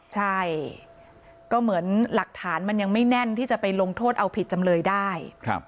ใช่ก็เหมือนหลักฐานมันยังไม่แน่นที่จะไปลงโทษเอาผิดจำเลยได้